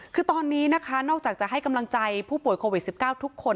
คือตอนนี้นะคะนอกจากจะให้กำลังใจผู้ป่วยโควิด๑๙ทุกคน